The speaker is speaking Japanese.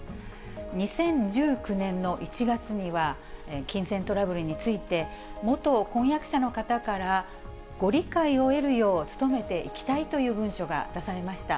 ２０１９年の１月には、金銭トラブルについて、元婚約者の方から、ご理解を得るよう、努めていきたいという文書が出されました。